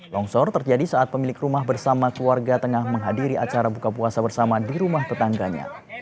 longsor terjadi saat pemilik rumah bersama keluarga tengah menghadiri acara buka puasa bersama di rumah tetangganya